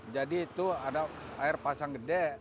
itu ada air pasang gede